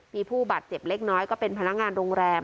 มีผู้บาดเจ็บเล็กน้อยก็เป็นพนักงานโรงแรม